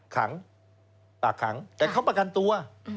ขังปากขังแต่เขาประกันตัว